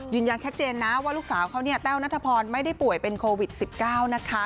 ยืนยันชัดเจนนะว่าลูกสาวเขาเนี่ยแต้วนัทพรไม่ได้ป่วยเป็นโควิด๑๙นะคะ